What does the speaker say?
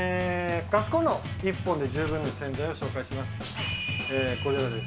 ガスコンロ、１本で十分な洗剤を紹介します。